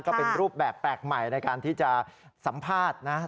ก็เป็นรูปแบบแปลกใหม่ในการที่จะสัมภาษณ์นะ